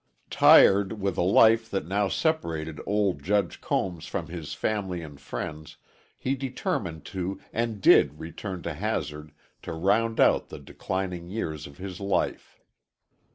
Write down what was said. Tired with a life that now separated old Judge Combs from his family and friends, he determined to and did return to Hazard to round out the declining years of his life.